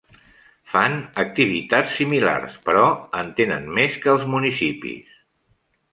Fan activitats similars però en tenen més que els municipis.